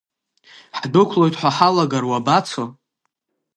Ҳдәықәлоит ҳәа ҳалагар уабацо?